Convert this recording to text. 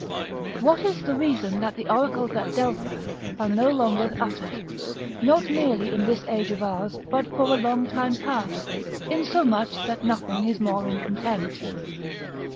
["What is the reason that the oracles at Delphi are no longer uttered: not merely in this age of ours, but for a long time past, insomuch that nothing is more in contempt?"